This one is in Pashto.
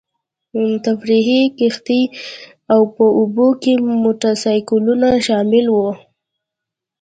تفریحي کښتۍ او په اوبو کې موټرسایکلونه شامل وو.